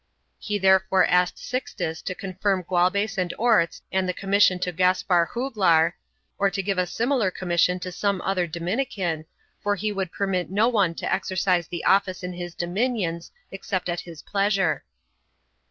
He therefore asked Sixtus to confirm Gualbes and Orts and the commission to Gaspar Juglar, or to give a similar com mission to some other Dominican, for he would permit no one to exercise the office in his dominions except at his pleasure.